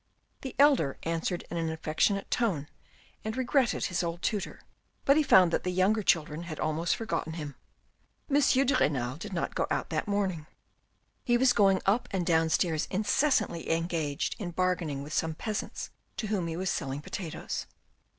The elder answered in an affectionate tone and regretted his old tutor, but he found that the younger children had almost forgotten him. M. de Renal did not go out that morning ; he was going up and downstairs incessantly engaged in bargaining with some peasants to whom he was selling potatoes.